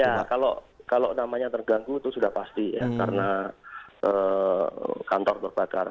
ya kalau namanya terganggu itu sudah pasti ya karena kantor terbakar